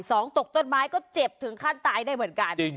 ตกต้นไม้ก็เจ็บถึงขั้นตายได้เหมือนกันจริง